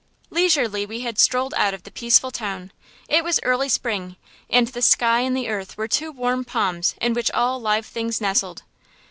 Leisurely we had strolled out of the peaceful town. It was early spring, and the sky and the earth were two warm palms in which all live things nestled.